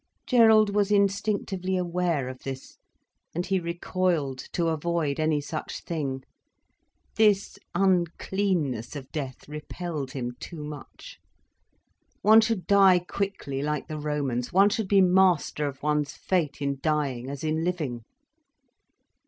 Gerald was instinctively aware of this, and he recoiled, to avoid any such thing. This uncleanness of death repelled him too much. One should die quickly, like the Romans, one should be master of one's fate in dying as in living.